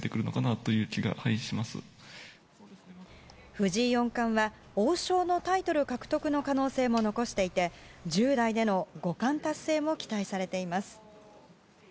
藤井四冠は王将のタイトル獲得の可能性も残していて１０代での五冠達成も期待されています。